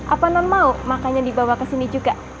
apa non mau makannya dibawa kesini juga